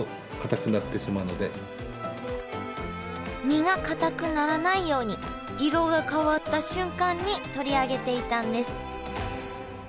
身がかたくならないように色が変わった瞬間に取り上げていたんです。